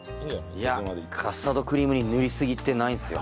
いやカスタードクリームに塗りすぎってないですよ。